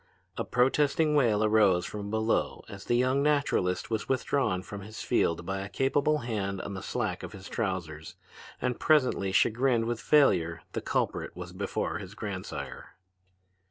A protesting wail arose from below as the young naturalist was withdrawn from his field by a capable hand on the slack of his trousers. And presently, chagrined with failure, the culprit was before his grandsire.